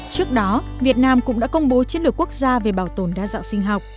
trước đó việt nam cũng đã công bố chiến lược quốc gia về bảo tồn đa dạng sinh học